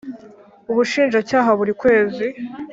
ubushinjacyaha buri kwezi